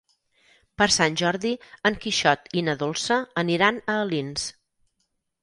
Per Sant Jordi en Quixot i na Dolça aniran a Alins.